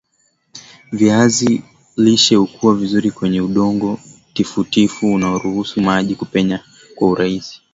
viazi lishe hukua vizuri kwenye udongo tifutifu unaoruhusu maji kupenya kwa urahisi